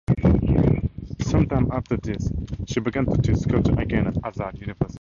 Some time after this she began to teach sculpture again at Azad University.